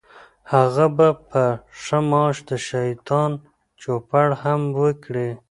هغه به په ښه معاش د شیطان چوپړ هم وکړي.